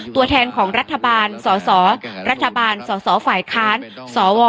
ตัวแทนของรัฐบาลสสรัฐบาลสสฝ่ายค้านสว